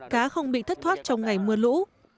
cá không bị thất thoát trong ngày mưa lũ